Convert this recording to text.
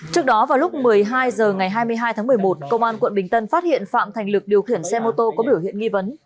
trước đó vào lúc một mươi hai h ngày hai mươi hai tháng một mươi một công an quận bình tân phát hiện phạm thành lực điều khiển xe mô tô có biểu hiện nghi vấn